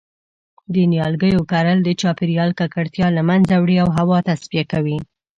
د نیالګیو کرل د چاپیریال ککړتیا له منځه وړی او هوا تصفیه کوی